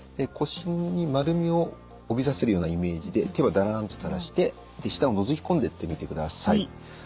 腰に丸みを帯びさせるようなイメージで手はだらんと垂らして下をのぞき込んでってみてください。